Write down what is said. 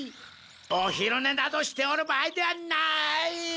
お昼ねなどしておる場合ではない！